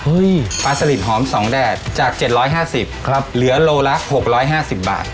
เฮ้ยฟาซิลิตหอม๒แดดจาก๗๕๐บาทเหลือลูลละ๖๕๐บาท